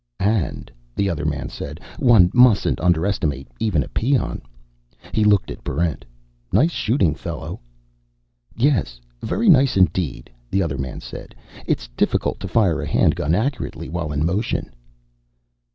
"And," the other man said, "one mustn't underestimate even a peon." He looked at Barrent. "Nice shooting, fellow." "Yes, very nice indeed," the other man said. "It's difficult to fire a handgun accurately while in motion."